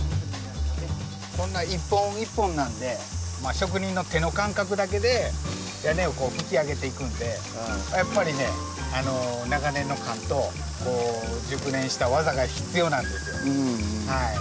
こんな一本一本なんで職人の手の感覚だけで屋根をふき上げていくんでやっぱりね長年の勘と熟練した技が必要なんですよ。